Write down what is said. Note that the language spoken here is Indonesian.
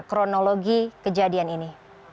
kronologi kejadian ini